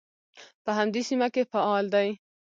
په همدې سیمه کې فعال دی.